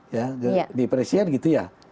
ya di presiden gitu ya